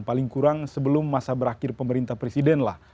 paling kurang sebelum masa berakhir pemerintah presiden lah